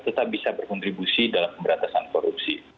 tetap bisa berkontribusi dalam pemberantasan korupsi